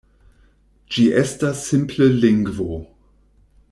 Ĝi estas simple lingvo.